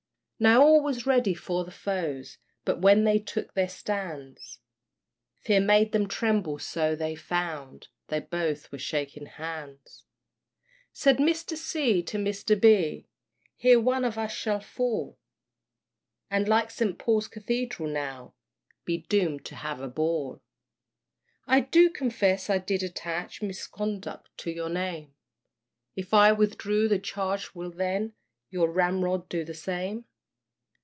Now all was ready for the foes, But when they took their stands, Fear made them tremble so, they found They both were shaking hands. Said Mr. C. to Mr. B., Here one of us may fall, And like St. Paul's Cathedral now Be doomed to have a ball. I do confess I did attach Misconduct to your name; If I withdraw the charge, will then Your ramrod do the same?